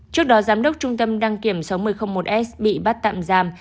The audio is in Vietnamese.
trước đó giám đốc trung tâm đăng kiểm sáu nghìn một s bị bắt tạm giam